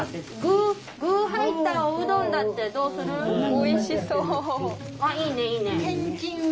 おいしそう。